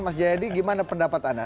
mas jaya dina bagaimana pendapat anda